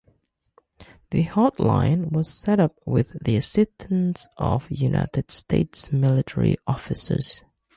The hotline was set up with the assistance of United States military officers.